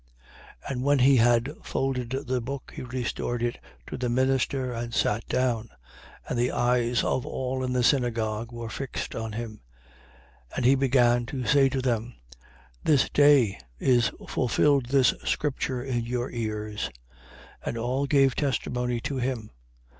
4:20. And when he had folded the book, he restored it to the minister and sat down. And the eyes of all in the synagogue were fixed on him. 4:21. And he began to say to them: This day is fulfilled this scripture in your ears. 4:22. And all gave testimony to him.